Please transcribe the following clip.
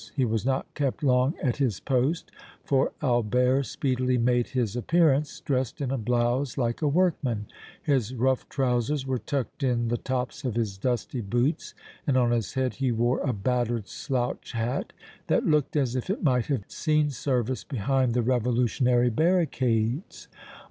He was not kept long at his post, for Albert speedily made his appearance, dressed in a blouse like a workman; his rough trousers were tucked in the tops of his dusty boots and on his head he wore a battered slouch hat that looked as if it might have seen service behind the revolutionary barricades.